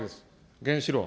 原子炉は。